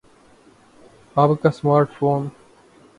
آپ کا smart phone